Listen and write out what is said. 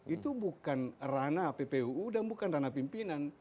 itu bukan rana ppuu dan bukan ranah pimpinan